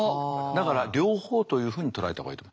だから両方というふうに捉えた方がいいと。